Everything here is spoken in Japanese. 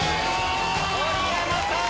盛山さん